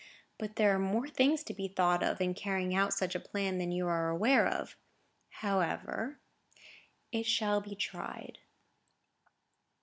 "But there are more things to be thought of, in carrying out such a plan, than you are aware of. However, it shall be tried."